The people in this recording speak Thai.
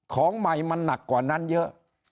ของใหม่มันหนักกว่านั้นเยอะ